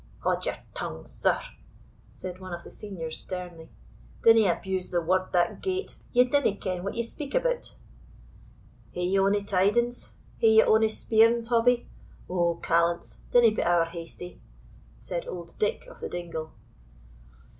"Haud your tongue, sir," said one of the seniors, sternly; "dinna abuse the Word that gate, ye dinna ken what ye speak about." "Hae ye ony tidings? Hae ye ony speerings, Hobbie? O, callants, dinna be ower hasty," said old Dick of the Dingle.